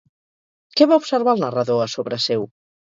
Què va observar el narrador a sobre seu?